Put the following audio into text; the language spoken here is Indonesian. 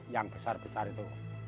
yang besar besar itu